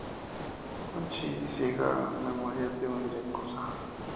Junichi Saga, "Memorias de un yakuza".